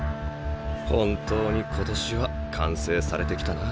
本当に今年は完成されてきたな。